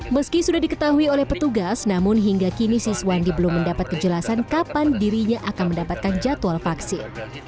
meski sudah diketahui oleh petugas namun hingga kini siswandi belum mendapat kejelasan kapan dirinya akan mendapatkan jadwal vaksin